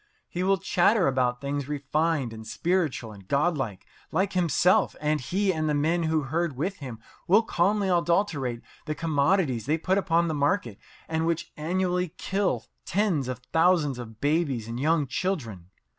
He will chatter about things refined and spiritual and godlike like himself, and he and the men who herd with him will calmly adulterate the commodities they put upon the market and which annually kill tens of thousands of babies and young children.